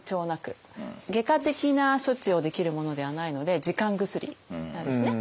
外科的な処置をできるものではないので時間薬なんですね。